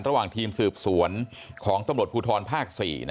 ระหว่างทีมสืบสวนของตำรวจภูทรภาค๔